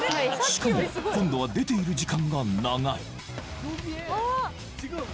しかも今度は出ている時間が長い